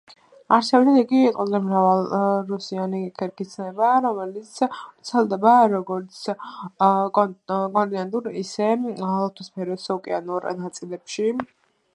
არსებითად იგი წყვეტილი მრავალიარუსიანი ქერქის ცნებაა, რომელიც ვრცელდება როგორც კონტინენტურ, ისე ლითოსფეროს ოკეანურ ნაწილებში.